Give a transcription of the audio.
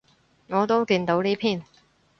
我都見到呢篇